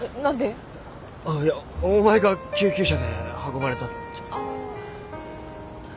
あっいやお前が救急車で運ばれたって。ああ。